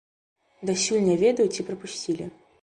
Дасюль не ведаю, ці прапусцілі.